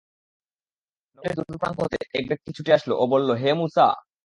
নগরীর দূর প্রান্ত হতে এক ব্যক্তি ছুটে আসল ও বলল, হে মূসা!